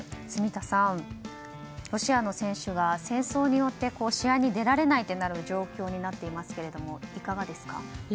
住田さん、ロシアの選手が戦争によって試合に出られない状況になっていますがいかがですか？